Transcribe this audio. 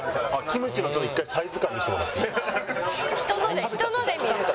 キムチのちょっと１回サイズ感見せてもらっていい？